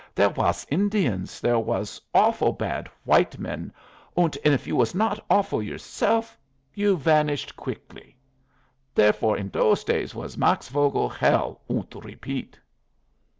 There was Indians, there was offle bad white men, und if you was not offle yourself you vanished quickly. Therefore in those days was Max Vogel hell und repeat."